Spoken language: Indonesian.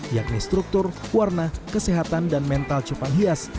yakni struktur warna kesehatan dan mental cupang hias